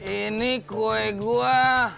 ini kue gua